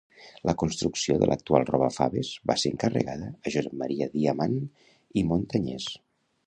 La construcció del actual Robafaves va ser encarregada a Josep Maria Diamant i Montañés